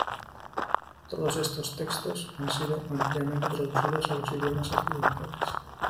Todos estos textos han sido ampliamente traducidos a los idiomas occidentales.